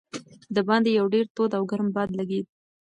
د باندې یو ډېر تود او ګرم باد لګېده.